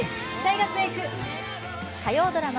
火曜ドラマ